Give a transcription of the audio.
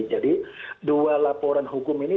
jadi dua laporan hukum ini